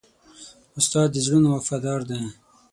استاد د زړونو وفادار دی.